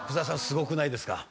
すごくないですか？